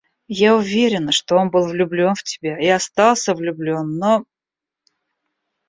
Я уверена, что он был влюблен в тебя и остался влюблен, но...